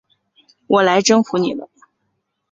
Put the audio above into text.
我来征服你了！